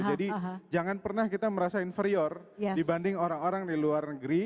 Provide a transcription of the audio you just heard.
jadi jangan pernah kita merasa inferior dibanding orang orang di luar negeri